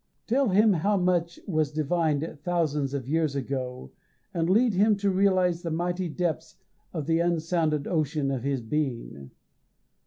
Tell him how much was divined thousands of years ago, and lead him to realize the mighty depths of the unsounded ocean of his own being.